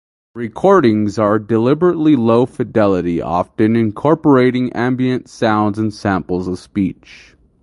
Recordings are deliberately low fidelity, often incorporating ambient sounds and samples of speech.